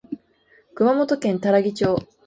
熊本県多良木町